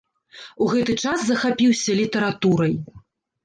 У гэты час захапіўся літаратурай.